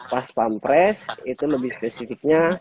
paspampres itu lebih spesifiknya